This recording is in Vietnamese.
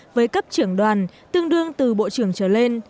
với cấp trưởng đoàn tương đương từ bộ trưởng trở lên